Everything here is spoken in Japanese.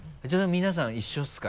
皆さん一緒ですか？